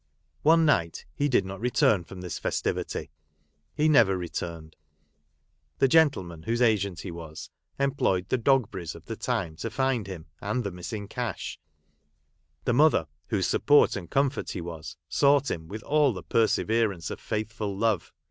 One night he did not return from this fes tivity. He never returned. The gentleman whose agent he was, employed the Dogberrys of the time to find him and the missing cash ; the mother, whose suppoi't and comfort he was, sought him with all the perseverance of faithful love.